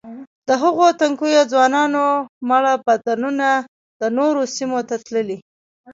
د هغو تنکیو ځوانانو مړه بدنونه د نورو سیمو ته تللي.